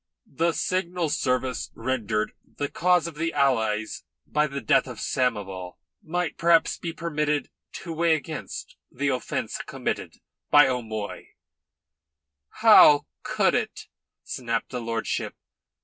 "The signal service rendered the cause of the allies by the death of Samoval might perhaps be permitted to weigh against the offence committed by O'Moy." "How could it?" snapped his lordship.